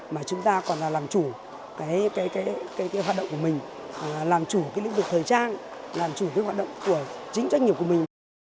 mà chúng ta còn là làm chủ cái hoạt động của mình làm chủ cái lĩnh vực thời trang làm chủ cái hoạt động của chính doanh nghiệp của mình